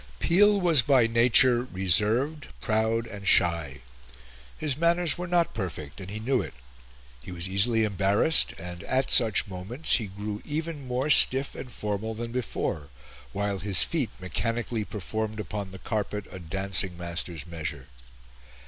Peel was by nature reserved, proud, and shy. His manners were not perfect, and he knew it; he was easily embarrassed, and, at such moments, he grew even more stiff and formal than before, while his feet mechanically performed upon the carpet a dancing master's measure.